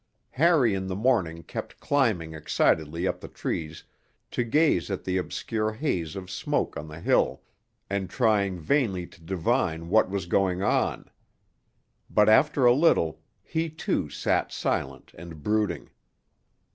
Harry in the morning kept climbing excitedly up the trees to gaze at the obscure haze of smoke on the hill, and trying vainly to divine what was going on; but after a little he too sat silent and brooding.